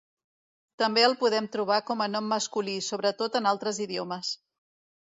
També el podem trobar com a nom masculí, sobretot en altres idiomes.